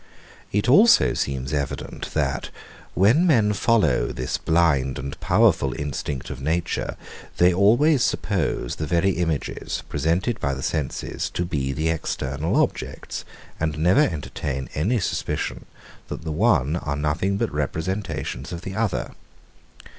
It seems also evident, that, when men follow this blind and powerful instinct of nature, they always suppose the very images, presented by the senses, to be the external objects, and never entertain any suspicion, that the one are nothing but representations of the other.